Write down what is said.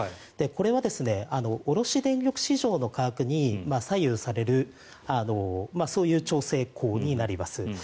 これは卸電力市場の価格に左右されるそういう調整項になります。